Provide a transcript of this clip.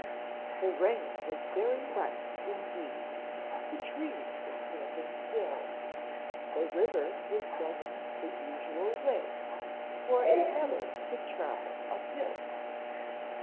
The rain was very wet indeed, The trees were standing still; The river was running the usual way, For it never could travel up hill.